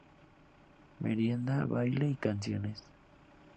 Merienda, baile y canciones.